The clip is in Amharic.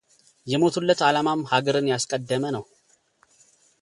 የሞቱለት ዓላማም ሀገርን ያስቀደመ ነው፡፡